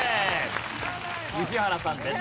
宇治原さんです。